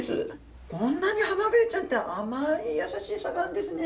こんなにはまぐりちゃんって甘い優しい魚ですね！